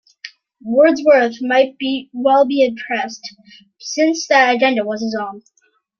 Wordsworth might well be impressed, since that agenda was his own.